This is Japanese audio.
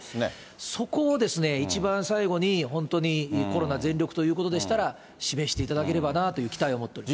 そこを一番最後に本当にコロナ全力ということでしたら、示していただければなという期待を持っています。